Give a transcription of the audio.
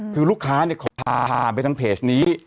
คือลูกค้าขอติดต่อมาทางเพจนี้